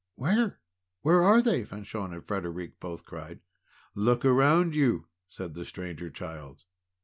"Where? Where are they?" Fanchon and Frederic both cried. "Look around you," said the Stranger Child.